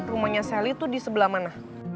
rumahnya sally itu di sebelah mana